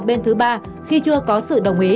bên thứ ba khi chưa có sự đồng ý